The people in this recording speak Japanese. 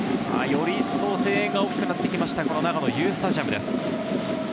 より一層声援が大きくなってきました長野Ｕスタジアムです。